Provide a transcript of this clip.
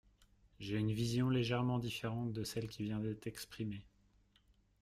J’ai une vision légèrement différente de celle qui vient d’être exprimée.